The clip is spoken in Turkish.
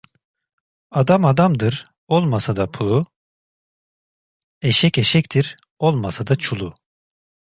Adam adamdır, olmasa da pulu; eşek eşektir, olmasa da çulu.